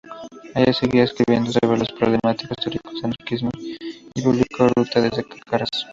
Allá seguía escribiendo sobre los problemas teóricos del anarquismo y publicando "Ruta" desde Caracas.